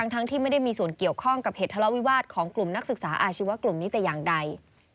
ทั้งที่ไม่ได้มีส่วนเกี่ยวข้องกับเหตุทะเลาวิวาสของกลุ่มนักศึกษาอาชีวะกลุ่มนี้แต่อย่างใด